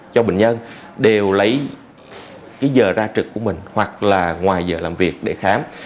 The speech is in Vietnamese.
cho bệnh nhân đều lấy cái giờ ra trực của mình hoặc là ngoài giờ làm việc để khám